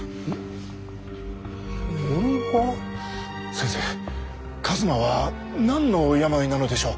先生一馬は何の病なのでしょう？